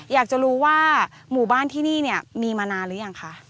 อยากจะรู้ว่าหมู่บ้านที่นี่เนี่ยมีมานานหรือยังคะ